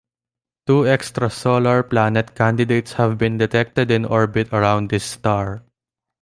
Two extrasolar planet candidates have been detected in orbit around this star.